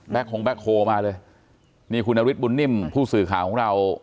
แบ๊กโค้งแบ๊กโค้งมาเลยนี่คุณวิทย์บุญนิ่มผู้สื่อข่าวของเรา